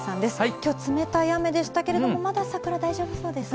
きょう、冷たい雨でしたけれども、まだ桜、大丈夫そうですね。